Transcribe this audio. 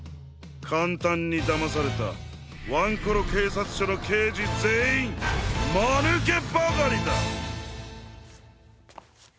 かんたんにだまされたワンコロけいさつしょのけいじぜんいんまぬけばかりだ！